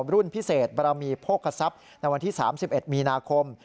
รุ่นพิเศษบารมีโภคศัพย์ในวันที่๓๑มีนาคม